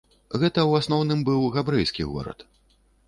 Гэта ў асноўным быў габрэйскі горад.